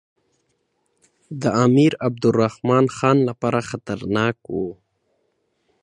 د امیر عبدالرحمن خان لپاره خطرناک نه وو.